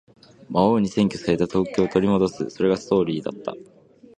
魔王に占拠された東京を取り戻す。それがストーリーだった。